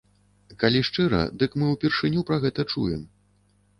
Калі шчыра, дык мы упершыню пра гэта чуем.